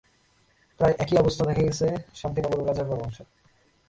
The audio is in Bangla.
প্রায় একই অবস্থা দেখা গেছে শান্তিনগর ও রাজারবাগ অংশে।